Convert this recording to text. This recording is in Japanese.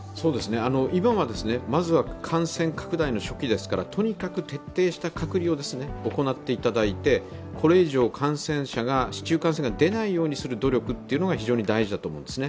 今はまずは感染拡大の初期ですからとにかく徹底した隔離を行っていただいてこれ以上、市中感染が出ないようにする努力が非常に大事だと思うんですね。